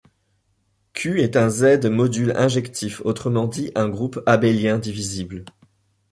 ℚ est un ℤ-module injectif, autrement dit un groupe abélien divisible.